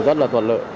rất là thuận lợi